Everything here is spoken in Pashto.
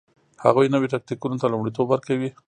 هغوی نویو تکتیکونو ته لومړیتوب ورکوي